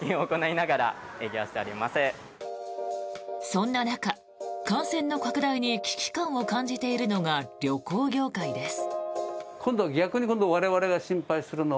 そんな中、感染の拡大に危機感を感じているのが旅行業界です。